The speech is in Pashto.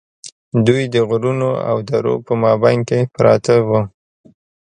دوی د غرونو او درو په مابین کې پراته وو.